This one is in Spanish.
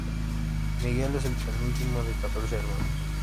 Miguel es el penúltimo de catorce hermanos.